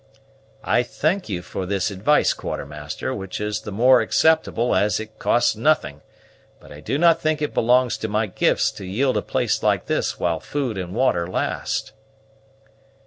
"I thank you for this advice, Quartermaster, which is the more acceptable as it costs nothing; but I do not think it belongs to my gifts to yield a place like this while food and water last."